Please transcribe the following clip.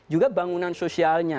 juga bangunan sosialnya